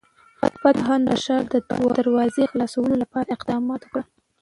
فتح خان د ښار د دروازې خلاصولو لپاره اقدام وکړ.